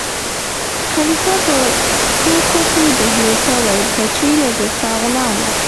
خلیفه په ټوکو کې بهلول ته وویل: که چېرې زه ستا غلام وای.